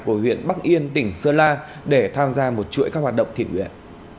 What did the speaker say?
của huyện bắc yên tỉnh sơn la để tham gia một chuỗi các hoạt động thiện nguyện